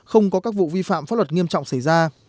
không có các vụ vi phạm pháp luật nghiêm trọng xảy ra